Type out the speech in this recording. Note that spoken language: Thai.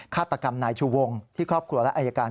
ฆาตกรรมนายชูวงที่ครอบครัวและอายการ